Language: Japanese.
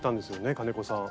金子さん。